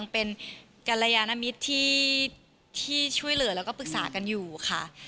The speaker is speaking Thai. เป็นกรยานมิตรที่ช่วยเหลือแล้วก็ปรึกษากันอยู่ค่ะ